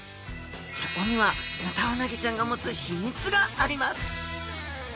そこにはヌタウナギちゃんが持つ秘密があります！